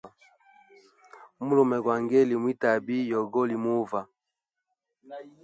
Mulume gwa ngee li mwi tabi yogoli muva.